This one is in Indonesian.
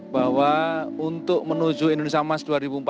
bahwa untuk menuju indonesia mas dua ribu empat puluh lima